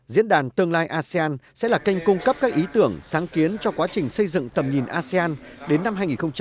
diễn đàn tương lai asean sẽ là kênh cung cấp các ý tưởng sáng kiến cho quá trình xây dựng tầm nhìn asean đến năm hai nghìn bốn mươi năm